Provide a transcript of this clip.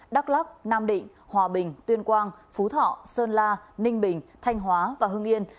đắk lắc nam định hòa bình tuyên quang phú thọ sơn la ninh bình thanh hóa và hưng yên